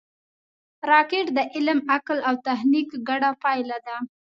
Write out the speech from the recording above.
راکټ د علم، عقل او تخنیک ګډه پایله ده